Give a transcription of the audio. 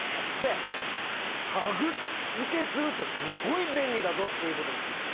タグ付けするとすごい便利だぞということに気づいて。